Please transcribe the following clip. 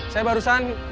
saya barusan mau dihubungin